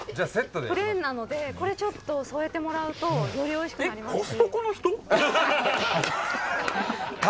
プレーンなのでこれちょっと添えてもらうとよりおいしくなりますし。